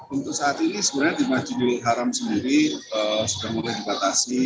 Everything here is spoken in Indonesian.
untuk saat ini sebenarnya jemaah haji di haram sendiri sudah mulai dibatasi